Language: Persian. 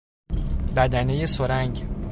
بدنهی سرنگ